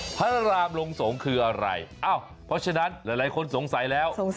พระรามลงสงฆ์คืออะไรเพราะฉะนั้นหลายคนสงสัยแล้ว